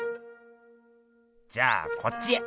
じゃあこっちへ。